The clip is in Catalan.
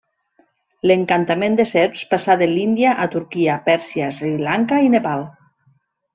L'encantament de serps passà de l'Índia a Turquia, Pèrsia, Sri Lanka i Nepal.